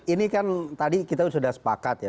ini kan tadi kita sudah sepakat ya